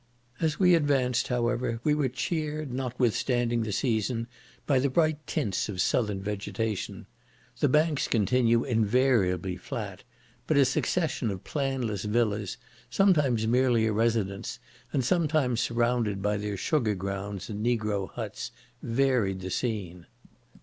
As we advanced, however, we were cheered, notwithstanding the season, by the bright tints of southern vegetation. The banks continue invariably flat, but a succession of planless villas, sometimes merely a residence, and sometimes surrounded by their sugar grounds and negro huts, varied the scene.